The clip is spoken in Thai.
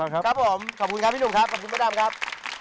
ครับผมขอบคุณครบพี่หนูครับ